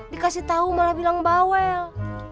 dikasih tahu malah bilang bawel